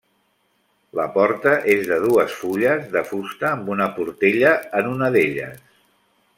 La porta és de dues fulles, de fusta, amb una portella en una d'elles.